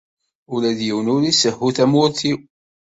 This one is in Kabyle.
Ula d yiwen ur isehhu tamurt-iw.